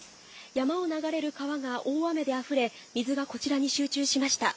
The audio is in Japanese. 山を流れる川が大雨であふれ、水がこちらに集中しました。